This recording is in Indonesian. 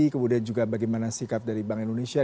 kemudian juga bagaimana sikap dari bank indonesia